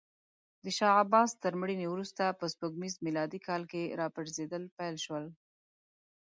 د شاه عباس تر مړینې وروسته په سپوږمیز میلادي کال کې راپرزېدل پیل شول.